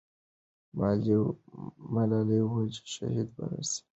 ملالۍ وویل چې شهیده به نه سي.